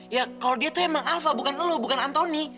ya kalau dia tuh emang alpha bukan lo bukan anthony